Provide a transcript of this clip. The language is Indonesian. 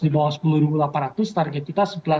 di bawah sepuluh delapan ratus target kita